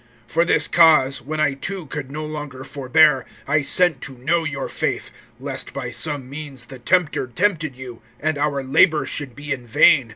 (5)For this cause, when I too could no longer forbear, I sent to know your faith, lest by some means the tempter tempted you, and our labor should be in vain.